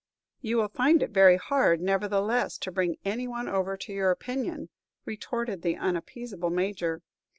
"You will find it very hard, nevertheless, to bring any one over to your opinion," retorted the unappeasable Major.